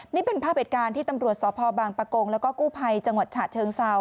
นี่เป็นภาพเหตุการณ์ที่ตำรวจสพบางปะโกงแล้วก็กู้ภัยจังหวัดฉะเชิงเซา